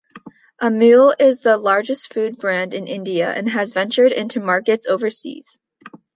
Amul is the largest food brand in India and has ventured into markets overseas.